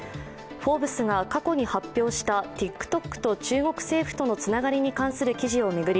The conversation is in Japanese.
「フォーブス」が過去に発表したＴｉｋＴｏｋと中国政府とのつながりに関する記事を巡り